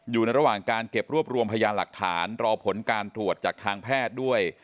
อยู่ในระหว่างการเก็บรวบรวมพยานหลักฐานรอผลการตรวจจากทางแพทย์ด้วย